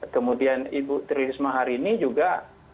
kemudian ibu tri risma hari ini juga